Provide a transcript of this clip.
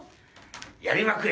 「やりまくれ」。